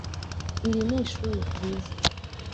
iri ni ishuri ryiza.